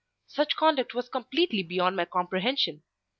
Such conduct was completely beyond my comprehension.